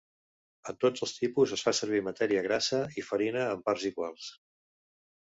En tots els tipus es fa servir matèria grassa i farina en parts iguals.